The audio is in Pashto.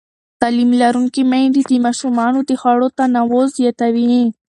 تعلیم لرونکې میندې د ماشومانو د خواړو تنوع زیاتوي.